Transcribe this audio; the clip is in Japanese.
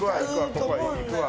ここはいくわ。